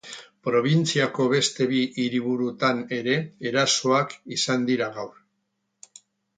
Probintziako beste bi hiriburutan ere erasoak izan dira gaur.